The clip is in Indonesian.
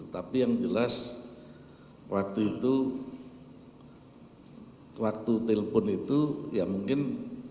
tapi yang jelas waktu itu waktu telpon itu ya mungkin